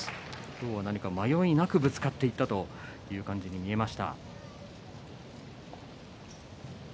今日は何か迷いなくぶつかっていったというように見えました。